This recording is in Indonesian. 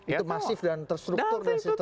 itu masif dan terstruktur